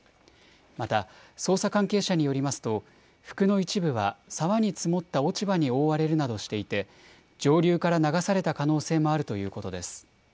また、捜査関係者によりますと、服の一部は、沢に積もった落ち葉に覆われるなどしていて、上流から流された可能性もあるということです。